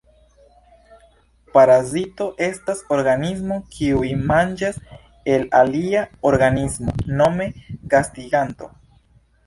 Parazito estas organismo kiuj manĝas el alia organismo, nome gastiganto.